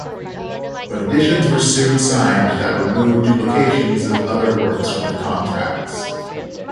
But additions were soon signed that removed duplications and other works from the contracts.